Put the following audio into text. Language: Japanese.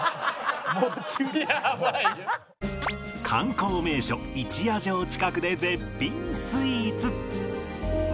観光名所一夜城近くで絶品スイーツ